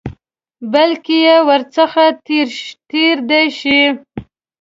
بلکې ورڅخه تېر دي شي.